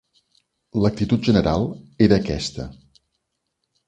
L'actitud general era aquesta